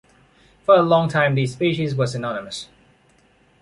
For a long time these species were synonymous.